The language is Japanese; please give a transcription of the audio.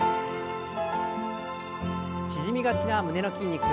縮みがちな胸の筋肉。